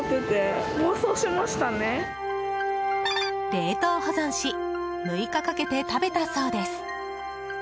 冷凍保存し６日かけて食べたそうです。